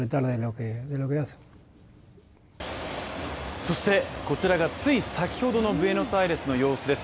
そして、こちらがつい先ほどのブエノスアイレスの様子です。